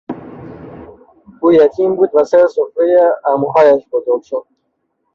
او یتیم بود و سر سفرهی عموهایش بزرگ شد.